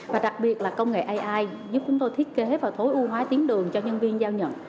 và đặc biệt là công nghệ ai giúp chúng tôi thiết kế và tối ưu hóa tuyến đường cho nhân viên giao nhận